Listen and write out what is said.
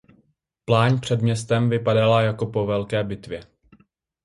Pláň před městem vypadala jako po velké bitvě.